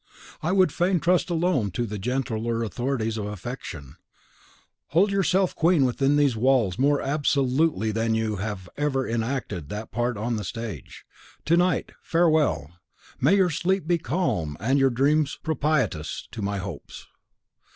I would fain trust alone to the gentler authorities of affection. Hold yourself queen within these walls more absolutely than you have ever enacted that part on the stage. To night, farewell! May your sleep be calm, and your dreams propitious to my hopes."